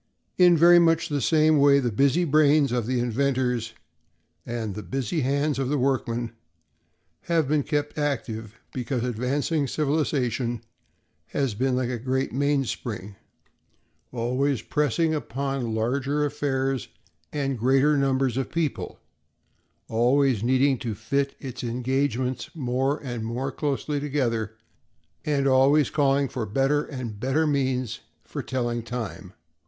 In very much the same way, the busy brains of the inventors and the busy hands of the workmen have been kept active because advancing civilization has been like a great mainspring, always pressing upon larger affairs and greater numbers of people, always needing to fit its engagements more and more closely together, and always calling for better and better means for telling time.